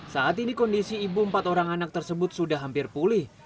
saat ini kondisi ibu empat orang anak tersebut sudah hampir pulih